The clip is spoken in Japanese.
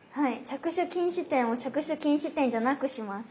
着手禁止点を着手禁止点じゃなくします。